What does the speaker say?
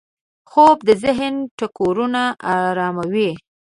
خوب د ذهن ټکرونه اراموي